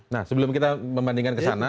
nah sebelum kita membandingkan ke sana